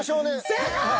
正解！